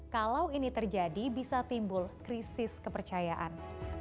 kalau ini terjadi bisa timbul krisis kepercayaan